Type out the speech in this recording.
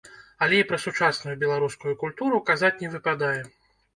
Але і пра сучасную беларускую культуру казаць не выпадае.